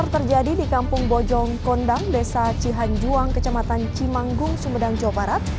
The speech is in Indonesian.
terjadi di kampung bojong kondang desa cihanjuang kecamatan cimanggung sumedang jawa barat